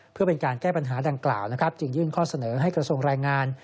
เพื่อเป็นการแก้ปัญหาดังกล่าวนะครับจึงยื่นข้อเสนอให้กระทรวงแรงงาน